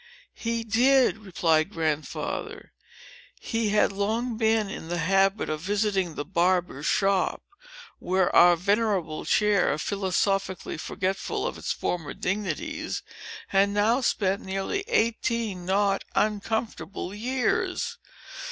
"He did," replied Grandfather. "He had long been in the habit of visiting the barber's shop, where our venerable chair, philosophically forgetful of its former dignities, had now spent nearly eighteen not uncomfortable years.